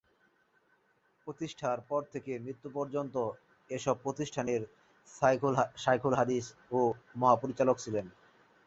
প্রতিষ্ঠার পর থেকে মৃত্যু পর্যন্ত এসব প্রতিষ্ঠানের শায়খুল হাদিস ও মহাপরিচালক ছিলেন।